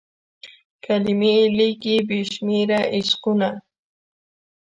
کلمې لیکي بې شمیر عشقونه